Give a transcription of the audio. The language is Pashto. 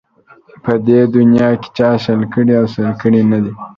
په دې دنیا کې چا شل کړي او سل کړي نه ده